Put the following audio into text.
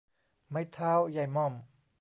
ไม้เท้ายายม่อม